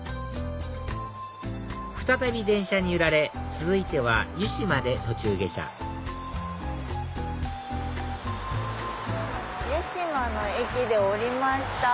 再び電車に揺られ続いては湯島で途中下車湯島の駅で降りました。